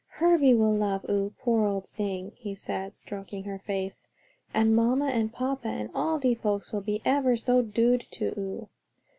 "Herbie will love oo, poor old sing," he said, stroking her face, "and mamma and papa, and all de folks will be ever so dood to oo."